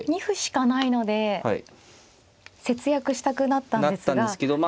２歩しかないので節約したくなったんですが。